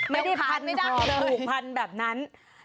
ไม่ได้พันห่อคลุกพันแบบนั้น